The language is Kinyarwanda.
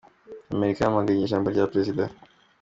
Amerika yamaganye ijambo rya Perezida